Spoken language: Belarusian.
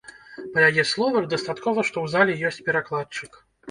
Па яе словах, дастаткова, што ў зале ёсць перакладчык.